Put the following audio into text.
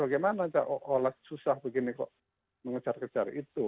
bagaimana aja olah susah begini kok mengejar kejar itu